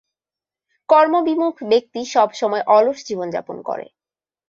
কর্মবিমুখ ব্যক্তি সবসময় অলস জীবনযাপন করে।